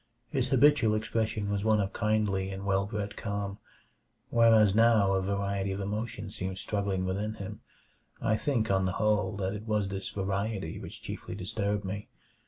His habitual expression was one of kindly and well bred calm, whereas now a variety of emotions seemed struggling within him. I think, on the whole, that it was this variety which chiefly disturbed me.